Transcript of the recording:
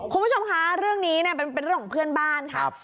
คุณผู้ชมคะเรื่องนี้เนี่ยเป็นเรื่องของเพื่อนบ้านค่ะ